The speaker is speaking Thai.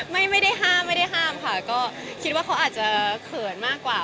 ไม่ได้ห้ามไม่ได้ห้ามค่ะก็คิดว่าเขาอาจจะเขินมากกว่า